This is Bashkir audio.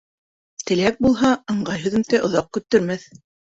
Теләк булһа, ыңғай һөҙөмтә оҙаҡ көттөрмәҫ.